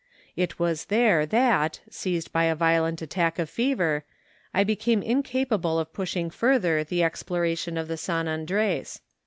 It was there that, seized by a violent attack of fever, I became inca¬ pable of pushing further the exploration of the San Andres.